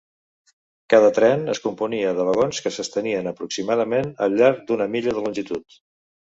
Cada tren es componia de vagons que s'estenien aproximadament al llarg d'una milla de longitud.